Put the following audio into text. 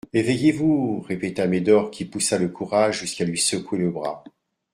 Éveillez-vous, répéta Médor qui poussa le courage jusqu'à lui secouer le bras.